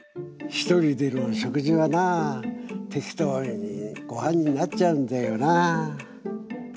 ひとりでの食事はな適当ごはんになっちゃうんだよな。